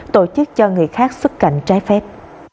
tổ chức cho người khác xuất cảnh trái phép